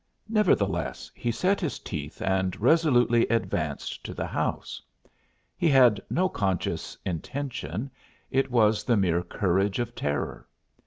Nevertheless, he set his teeth and resolutely advanced to the house. He had no conscious intention it was the mere courage of terror.